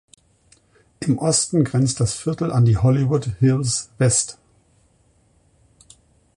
Im Osten grenzt das Viertel an die Hollywood Hills West.